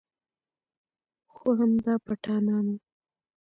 خو همدا پټانان و.